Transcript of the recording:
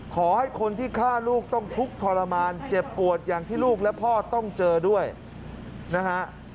ขอให้คนที่ฆ่าลูกต้องทุกข์ทรมานเจ็บปวดอย่างที่ลูกและพ่อต้องเจอด้วยนะฮะ